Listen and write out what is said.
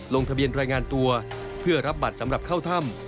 ลงทะเบียนรายงานตัวเพื่อรับบัตรสำหรับเข้าถ้ำ